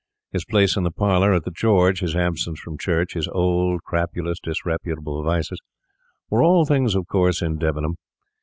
His place in the parlour at the George, his absence from church, his old, crapulous, disreputable vices, were all things of course in Debenham.